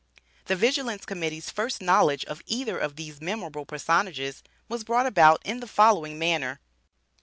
The Vigilance Committee's first knowledge of either of these memorable personages was brought about in the following manner.